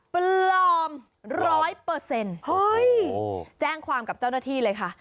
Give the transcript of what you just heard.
ปลอม๑๐๐แจ้งความกับเจ้าหน้าที่เลยค่ะ